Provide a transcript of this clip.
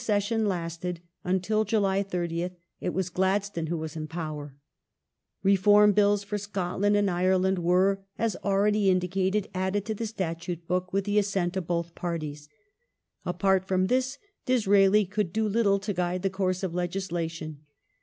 ministrv session lasted (until July 30) it was Gladstone who was in power. February Reform Bills for Scotland and Ireland were, as already indicated, ?5th ^^ added to the Statute book with the assent of both Parties. Apart 2nd, 1868 from this Disraeli could do little to guide the course of legislation.